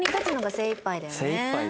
精いっぱいですよね。